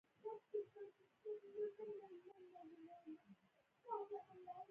د مناقشې لپاره ځای نه پاتې کېږي